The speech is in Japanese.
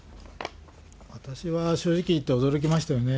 私は正直いって驚きましたよね。